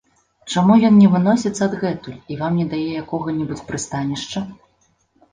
Чаму ён не выносіцца адгэтуль і вам не дае якога-небудзь прыстанішча?